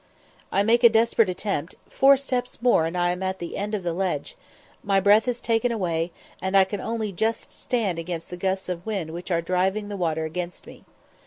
_" I make a desperate attempt: four steps more and I am at the end of the ledge; my breath is taken away, and I can only just stand against the gusts of wind which are driving the water against me.